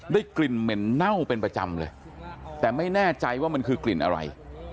กลิ่นเหม็นเน่าเป็นประจำเลยแต่ไม่แน่ใจว่ามันคือกลิ่นอะไร